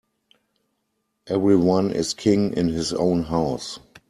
Every one is king in his own house.